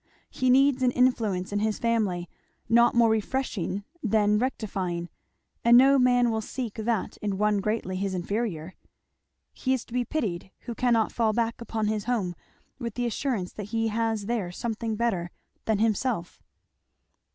He needs an influence in his family not more refreshing than rectifying; and no man will seek that in one greatly his inferior. He is to be pitied who cannot fall back upon his home with the assurance that he has there something better than himself."